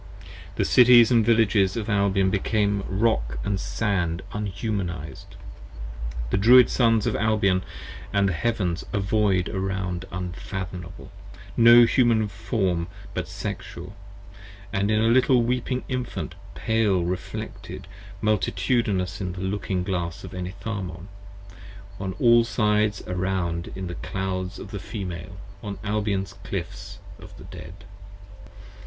The Cities & Villages of Albion became Rock & Sand Unhumanized, The Druid Sons of Albion & the Heavens a Void around unfathomable, 20 No Human Form but Sexual, & a little weeping Infant pale reflected Multitudinous in the Looking Glass of Enitharmon, on all sides Around in the clouds of the Female, on Albion's Cliffs of the Dead.